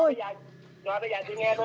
rồi bây giờ chị nghe tôi nói nè